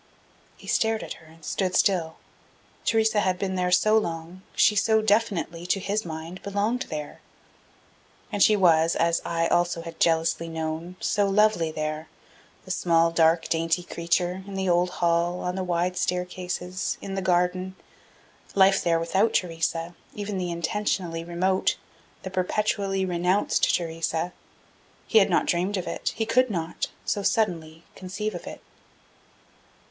He stared at her and stood still. Theresa had been there so long, she so definitely, to his mind, belonged there. And she was, as I also had jealously known, so lovely there, the small, dark, dainty creature, in the old hall, on the wide staircases, in the garden.... Life there without Theresa, even the intentionally remote, the perpetually renounced Theresa he had not dreamed of it, he could not, so suddenly, conceive of it.